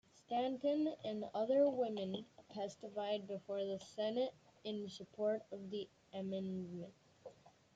Stanton and other women testified before the Senate in support of the amendment.